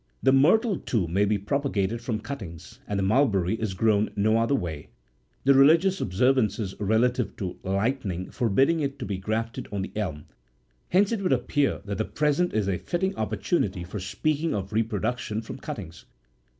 The myrtle, too, 'may be propagated from cuttings, and the mulberry is grown no other way, the religious observances relative to lightning40 forbidding it to be grafted on the elm ;4 hence it would appear that the present is a fitting opportunity for speaking of reproduction from cuttings.